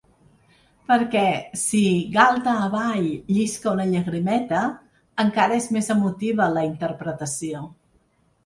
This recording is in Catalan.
Perquè, si galta avall llisca una llagrimeta, encara és més emotiva la interpretació.